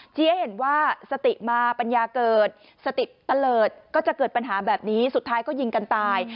ให้เห็นว่าสติมาปัญญาเกิดสติตะเลิศก็จะเกิดปัญหาแบบนี้สุดท้ายก็ยิงกันตาย